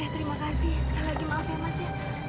terima kasih sekali lagi maaf ya mas ya